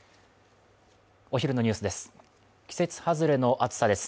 お昼のニュースです。